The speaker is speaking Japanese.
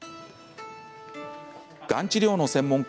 がん治療の専門家